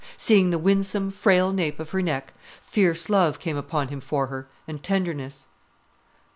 Seeing the winsome, frail nape of her neck, fierce love came upon him for her, and tenderness.